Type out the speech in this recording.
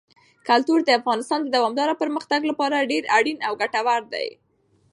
کلتور د افغانستان د دوامداره پرمختګ لپاره ډېر اړین او ګټور دی.